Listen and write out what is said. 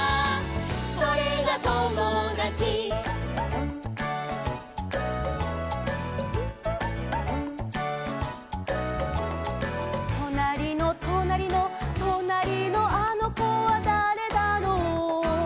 「それがともだち」「となりのとなりの」「となりのあのこはだれだろう」